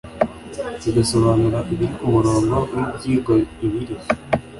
rigasobanura ibiri ku murongo w ibyigwa ibiri